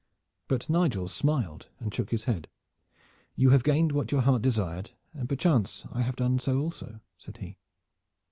But Nigel smiled and shook his head. "You have gained what your heart desired, and perchance I have done so also," said he.